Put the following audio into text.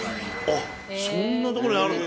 あっそんなとこにあるんだ。